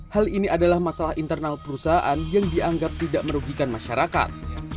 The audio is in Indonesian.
hal ini adalah masalah internal perusahaan yang dianggap tidak merugikan masyarakat